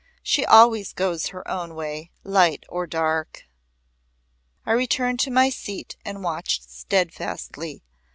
She always goes her own way light or dark." I returned to my seat and watched steadfastly.